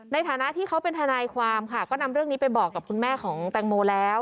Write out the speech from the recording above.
ในฐานะที่เขาเป็นทนายความค่ะก็นำเรื่องนี้ไปบอกกับคุณแม่ของแตงโมแล้ว